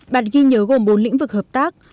bản ghi nhớ gồm bốn lĩnh vực hợp tác